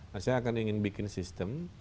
nah saya akan ingin bikin sistem